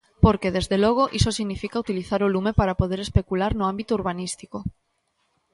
Porque, desde logo, iso significa utilizar o lume para poder especular no ámbito urbanístico.